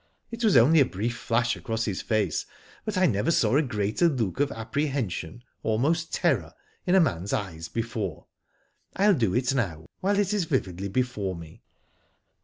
It was only a brief flash across his face, but I n^ver saw a greater look of appre hension, almost terror, in a man's eyes before. rU do it now, while it is vividly before me."